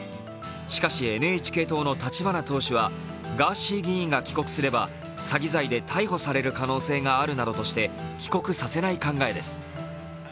しかしＮＨＫ党の立花党首はガーシー議員が帰国すれば詐欺罪で逮捕される可能性があるなどとして帰国させない考えです。